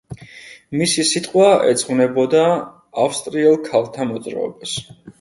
მისი სიტყვა ეძღვნებოდა ავსტრიელ ქალთა მოძრაობას.